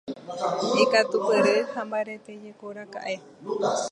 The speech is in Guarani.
Ikatupyry ha mbaretéjekoraka'e.